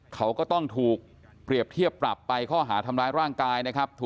เขาก็ต้องถูกเปรียบเทียบปรับไปข้อหาทำร้ายร่างกายนะครับ